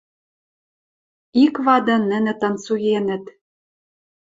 Ик вады нӹнӹ танцуенӹт.